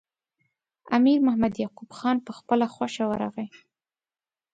امیر محمد یعقوب خان په خپله خوښه ورغی.